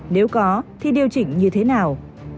nếu có thì điều chỉnh như thế nào